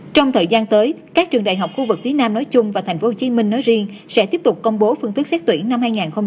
trong thời gian tới các trường đại học khu vực phía nam nói chung và tp hcm nói riêng sẽ tiếp tục công bố phương thức xét tuyển năm hai nghìn hai mươi